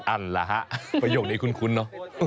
นั่นแหละฮะประโยคนี้คุ้นเนอะ